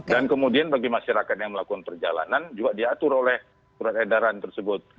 dan kemudian bagi masyarakat yang melakukan perjalanan juga diatur oleh surat edaran tersebut